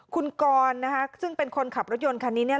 คุณกรนะคะซึ่งเป็นคนขับรถยนต์คันนี้เนี่ย